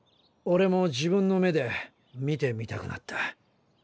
オレも自分の目で見てみたくなった。